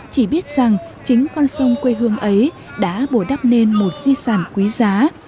chỉ biết rằng chính con sông quê hương ấy đã bổ đắp nên một di sản quý giá